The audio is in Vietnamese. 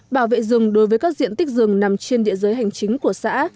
bảo vệ rừng đối với các diện tích rừng nằm trên địa giới hành chính của xã